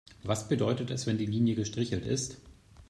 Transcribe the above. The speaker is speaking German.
Was bedeutet es, wenn die Linie gestrichelt ist?